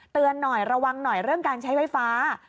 เตือนหน่อยระวังหน่อยเรื่องการใช้ไฟฟ้า